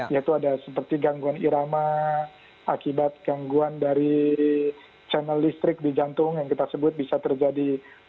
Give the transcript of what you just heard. yaitu ada seperti gangguan irama akibat gangguan dari channel listrik di jantung yang kita sebut bisa terjadi